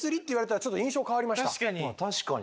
確かに。